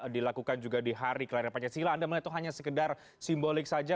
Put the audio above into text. dilakukan juga di hari kelahiran pancasila anda melihat itu hanya sekedar simbolik saja